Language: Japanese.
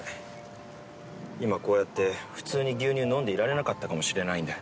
今こうやって普通に牛乳飲んでいられなかったかもしれないんだ。